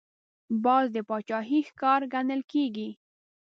باز د باچاهۍ ښکار ګڼل کېږي